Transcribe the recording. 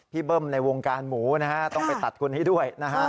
พี่เบิ้มในวงการหมูนะต้องไปตัดคนนี้ด้วย